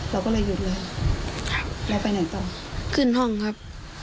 แล้วไปไหนต่อขึ้นห้องครับ